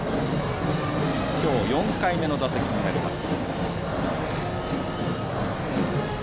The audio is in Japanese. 今日４回目の打席になります。